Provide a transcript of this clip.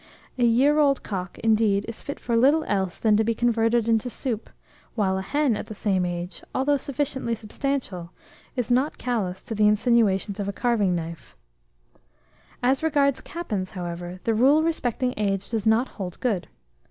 A year old cock, indeed, is fit for little else than to be converted into soup, while a hen at the same age, although sufficiently substantial, is not callous to the insinuations of a carving knife. As regards capons, however, the rule respecting age does not hold good.